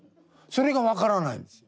それが分からないんです。